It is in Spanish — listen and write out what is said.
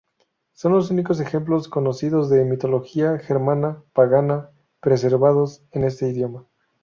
Son los únicos ejemplos conocidos de mitología germana pagana preservados en este idioma.